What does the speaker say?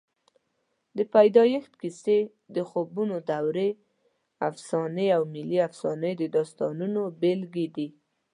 د پیدایښت کیسې، د خوبونو دورې افسانې او ملي افسانې د داستانونو بېلګې دي.